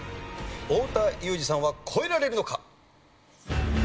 太田裕二さんは越えられるのか？